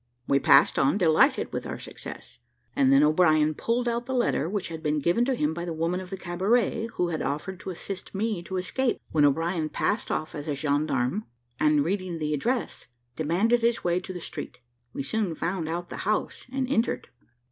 We passed on, delighted with our success, and then O'Brien pulled out the letter which had been given to him by the woman of the cabaret who had offered to assist me to escape, when O'Brien passed off as a gendarme, and reading the address, demanded his way to the street. We soon found out the house, and entered.